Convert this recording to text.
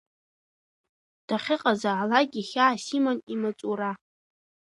Дахьыҟазаалакгьы хьаас иман имаҵура.